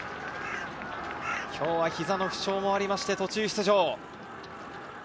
今日は膝の負傷もありまして途中出場。